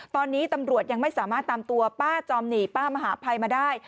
ตอนนี้ตำรวจยังไม่สามารถตามตัวป้าจอมหนีป้ามหาภัยมาได้